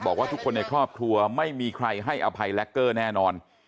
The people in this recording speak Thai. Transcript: บอกว่าทุกคนในครอบครัวไม่มีใครให้อภัยแล็กเกอร์แน่นอน